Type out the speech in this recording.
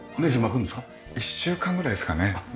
一週間ぐらいですかね大体。